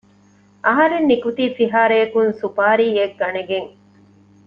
އަހަރެން ނިކުތީ ފިހާރައަކުން ސުޕާރީއެއް ގަނެގެން